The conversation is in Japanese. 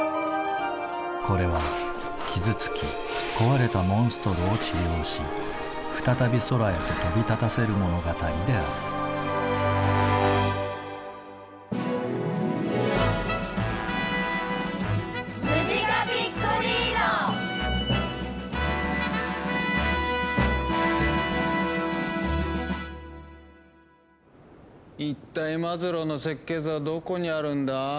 これは傷つき壊れたモンストロを治療し再び空へと飛び立たせる物語である一体マズローの設計図はどこにあるんだ？